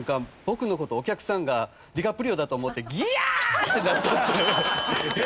僕の事をお客さんがディカプリオだと思って「ギャッ！」ってなっちゃって。